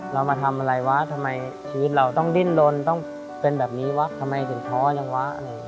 เรามาทำอะไรวะทำไมชีวิตเราต้องดิ้นลนต้องเป็นแบบนี้วะทำไมถึงท้อนี่วะ